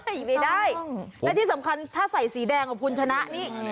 ไม่ได้และที่สำคัญถ้าใส่สีแดงของคุณชนะนี่